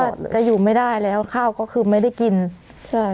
ก็จะอยู่ไม่ได้แล้วข้าวก็คือไม่ได้กินใช่